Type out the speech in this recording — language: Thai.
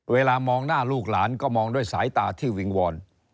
เวลามองหน้าลูกหลานก็มองด้วยสายตาที่วิงวอน